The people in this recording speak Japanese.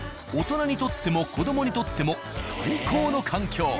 大人にとっても子供にとっても最高の環境。